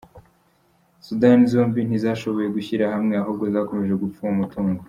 Sudani zombi ntizashoboye gushyira hamwe ahubwo zakomeje gupfa uwo mutungo .